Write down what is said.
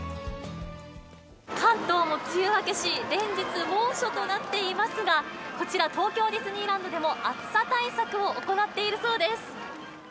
関東も梅雨明けし、連日、猛暑となっていますが、こちら、東京ディズニーランドでも暑さ対策を行っているそうです。